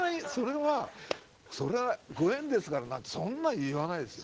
それは「ご縁ですから」なんてそんな言わないですよ。